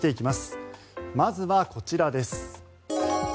まずはこちらです。